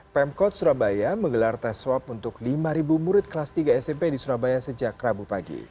pemkot surabaya menggelar tes swab untuk lima murid kelas tiga smp di surabaya sejak rabu pagi